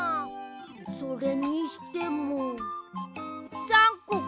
それにしても３こか。